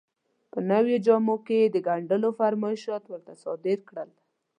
په نویو جامو کې یې د ګنډلو فرمایشات ورته صادر کړل.